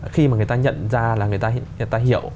khi mà người ta nhận ra là người ta hiểu